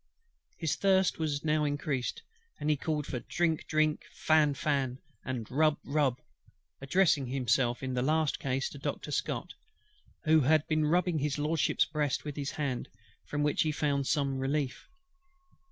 His thirst now increased; and he called for "Drink, drink," "Fan, fan," and "Rub, rub:" addressing himself in the last case to Doctor SCOTT, who had been rubbing HIS LORDSHIP'S breast with his hand, from which he found some relief.